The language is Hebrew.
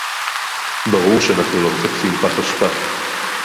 ברור שאנחנו לא מחפשים פח אשפה